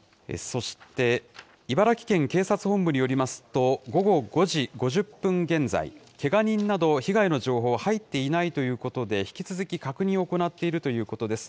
そして茨城県警察本部によりますと、午後５時５０分現在、けが人など、被害の情報、入っていないということで、引き続き確認を行っているということです。